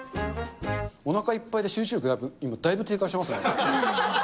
おなかいっぱいで集中力、今、だいぶ低下してますね。